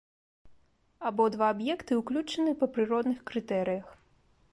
Абодва аб'екты ўключаны па прыродных крытэрыях.